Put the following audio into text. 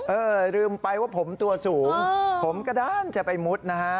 เออลืมไปว่าผมตัวสูงผมกระด้านจะไปมุดนะฮะ